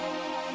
kau itu panggil